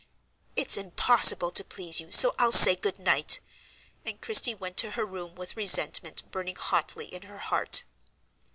"It's impossible to please you, so I'll say good night," and Christie went to her room with resentment burning hotly in her heart.